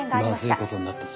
マズいことになったぞ。